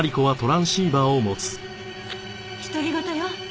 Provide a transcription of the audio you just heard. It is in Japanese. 独り言よ。